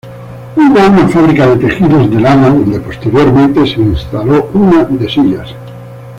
Hubo una fábrica de tejidos de lana donde posteriormente se instaló una de sillas.